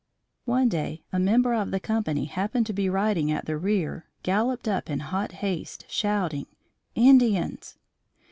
One day a member of the company happened to be riding at the rear galloped up in hot haste, shouting, "Indians!"